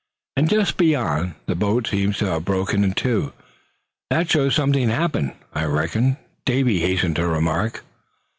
"And just beyond, the boat seems to have broken in two; that shows something happened, I reckon," Davy hastened to remark.